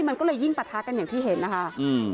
มันก็เลยยิ่งปะทะกันอย่างที่เห็นนะคะอืม